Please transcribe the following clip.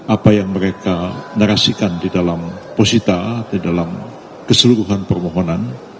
apa yang mereka narasikan di dalam posisita di dalam keseluruhan permohonan